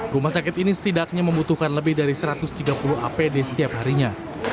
rumah sakit ini setidaknya membutuhkan lebih dari satu ratus tiga puluh apd setiap harinya